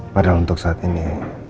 padahal untuk saat ini